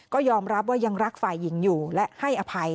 ก็ยอมรับว่ายังรักฝ่ายหญิงอยู่และให้อภัย